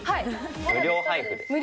無料配布です。